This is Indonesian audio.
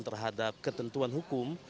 terhadap ketentuan hukum